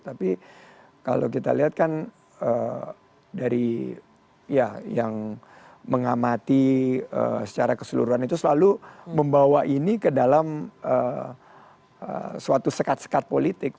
tapi kalau kita lihat kan dari ya yang mengamati secara keseluruhan itu selalu membawa ini ke dalam suatu sekat sekat politik